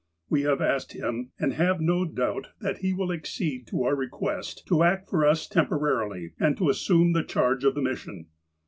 We have asked him, and have no doubt that he will accede to our request to act for us tem porarily, and to assume the charge of the mission.